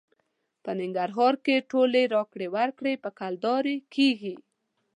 په ننګرهار کې ټولې راکړې ورکړې په کلدارې کېږي.